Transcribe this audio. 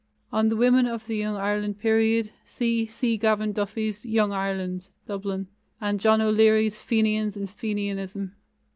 On the women of the Young Ireland period, see C. Gavan Duffy's Young Ireland (Dublin), and John O'Leary's Fenians and Fenianism.